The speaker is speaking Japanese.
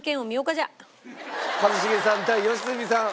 一茂さん対良純さん。